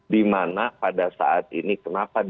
di mana pada saat ini kenapa demikian